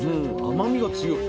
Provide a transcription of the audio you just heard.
甘みが強い。